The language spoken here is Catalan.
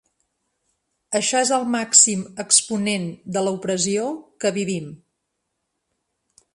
Això és el màxim exponent de l'opressió que vivim.